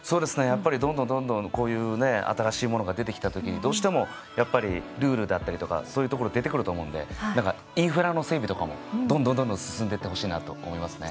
やっぱりどんどんどんどんこういう新しいものが出てきた時にどうしてもやっぱりルールだったりとかそういうところ出てくると思うんで何かインフラの整備とかもどんどんどんどん進んでってほしいなと思いますね。